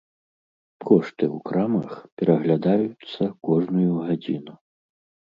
Кошты ў крамах пераглядаюцца кожную гадзіну.